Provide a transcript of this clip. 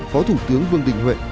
phó thủ tướng vương đình huệ